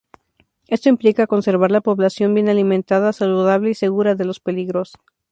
Esto implica conservar la población bien alimentada, saludable y segura de los peligros.